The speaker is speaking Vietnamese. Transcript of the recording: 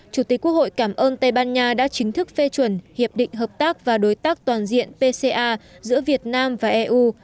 chủ tịch quốc hội cảm ơn tây ban nha đã chính thức phê chuẩn hiệp định hợp tác và đối tác toàn diện pca giữa việt nam và eu